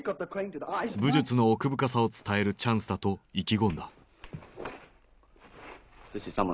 武術の奥深さを伝えるチャンスだと意気込んだ。